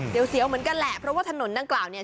เดี๋ยวเสียวเหมือนกันแหละเพราะว่าถนนดังกล่าวเนี่ย